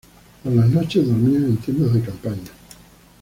Por las noches dormían en tiendas de campaña.